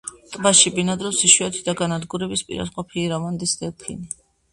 ტბაში ბინადრობს იშვიათი და განადგურების პირას მყოფი ირავადის დელფინი.